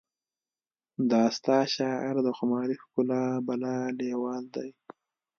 د ستا شاعر د خماري ښکلا بلا لیوال دی